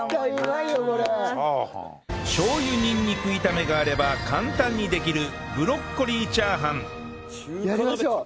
しょう油にんにく炒めがあれば簡単にできるブロッコリーチャーハンやりましょう。